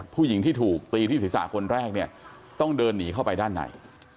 ผู้หญิงที่ถูกตีที่ศีรษะคนแรกเนี่ยต้องเดินหนีเข้าไปด้านใน